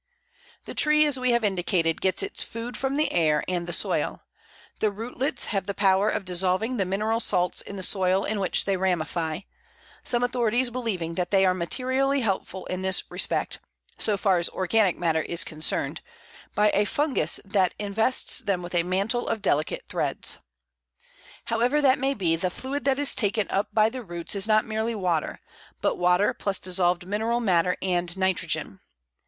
The tree, as we have indicated, gets its food from the air and the soil. The rootlets have the power of dissolving the mineral salts in the soil in which they ramify; some authorities believing that they are materially helped in this respect so far as organic matter is concerned by a fungus that invests them with a mantle of delicate threads. However that may be, the fluid that is taken up by the roots is not merely water, but water plus dissolved mineral matter and nitrogen.